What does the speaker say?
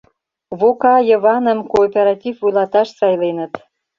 Вока Йываным кооператив вуйлаташ сайленыт.